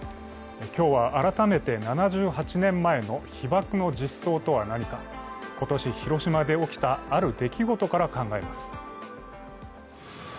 今日は改めて７８年前の被爆の実相とは何か、今年、広島で起きたある出来事から考えます。